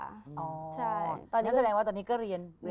นั่นแสดงว่าตอนนี้ก็เรียนปกติ